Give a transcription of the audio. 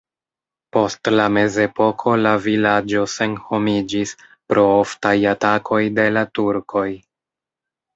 Post la mezepoko la vilaĝo senhomiĝis pro oftaj atakoj de la turkoj.